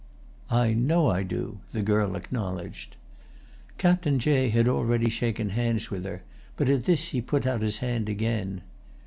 "I know I do," the girl acknowledged. Captain Jay had already shaken hands with her, but at this he put out his hand again.